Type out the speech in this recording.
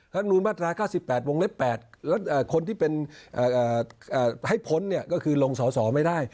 รัฐมนุนมาตรา๙๘วงเล็บ๘แล้วคนที่เป็นให้พ้นก็คือลงสอสอไม่ได้